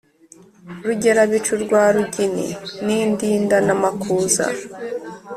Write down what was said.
Rugerabicu rwa Runigi ni Indindana-makuza